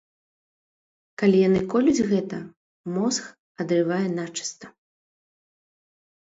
Калі яны колюць гэта, мозг адрывае начыста.